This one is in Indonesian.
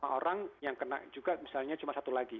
lima orang yang kena juga misalnya cuma satu lagi